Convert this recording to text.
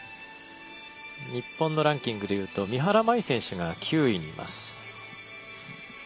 日本のランキングでいうと三原舞依選手が９位にいます。